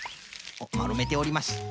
おっまるめております。